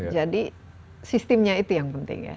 jadi sistemnya itu yang penting ya